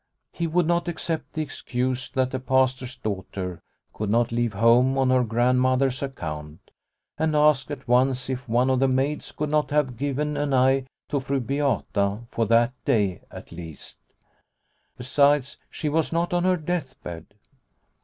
He would not accept the excuse that the Pastor's daughter could not leave home on her Grandmother's account, and asked at once if one of the maids could not have given an eye to Fru Beata for that day at least. Besides, she was not on her death bed